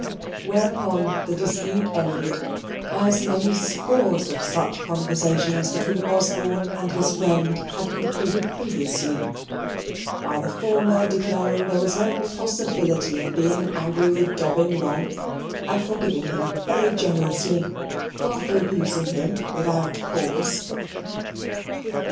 Whereupon the dispute ended as many scores of such conversations between Osborne and his friend had concluded previously by the former declaring there was no possibility of being angry with Dobbin long, and forgiving him very generously after abusing him without cause.